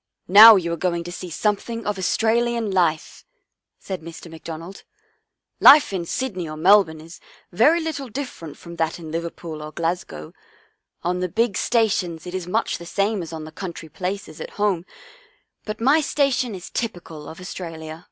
" Now you are going to see something of Aus tralian life," said Mr. McDonald. " Life in Sydney or Melbourne is very little different from that in Liverpool or Glasgow. On the big sta tions it is much the same as on the country places at home, but my station is typical of Australia."